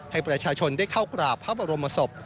ให้ประชาชนได้เข้ากราบพระบรมศพ